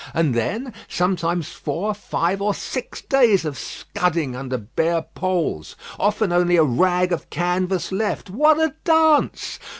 And then, sometimes four, five, or six days of scudding under bare poles. Often only a rag of canvas left. What a dance!